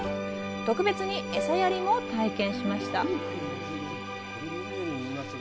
特別に餌やりも体験しました